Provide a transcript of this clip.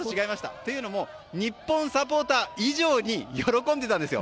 というのも日本サポーター以上に喜んでたんですよ。